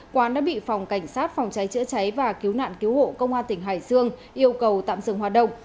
quán đã bị phòng cảnh sát phòng cháy chữa cháy và cứu nạn cứu hộ công an tỉnh hải dương yêu cầu tạm dừng hoạt động